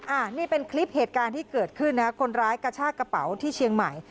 อันนี้เป็นคลิปเหตุการณ์ที่เกิดขึ้นนะคนร้ายกระชากระเป๋าที่เชียงใหม่